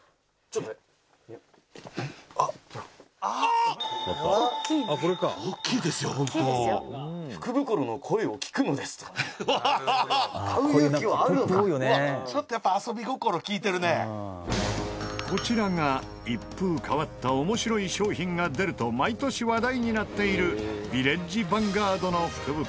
「ちょっとやっぱこちらが一風変わった面白い商品が出ると毎年話題になっているヴィレッジヴァンガードの福袋。